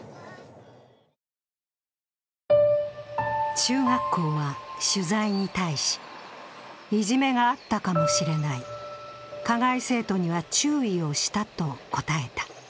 中学校は取材に対しいじめがあったかもしれない、加害生徒には注意をしたと答えた。